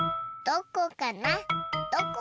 どこかな？